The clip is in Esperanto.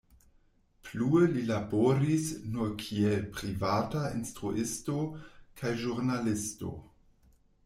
Plue li laboris nur kiel privata instruisto kaj ĵurnalisto.